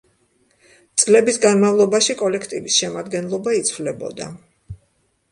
წლების განმავლობაში კოლექტივის შემადგენლობა იცვლებოდა.